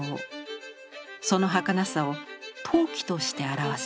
その儚さを陶器として表す。